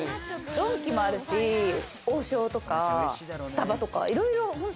ドンキもあるし、王将とかスタバとか。